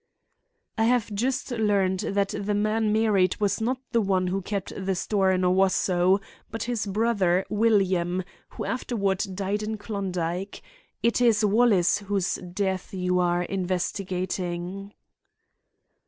"I have just learned that the man married was not the one who kept store in Owosso, but his brother William, who afterward died in Klondike. It is Wallace whose death you are investigating."